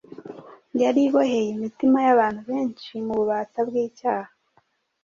yari iboheye imitima y’abantu benshi mu bubata bw’icyaha.